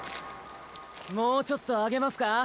もうちょっと上げますか？